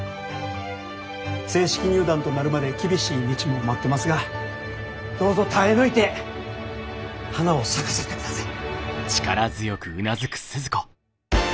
正式入団となるまで厳しい道も待ってますがどうぞ耐え抜いて花を咲かせてください。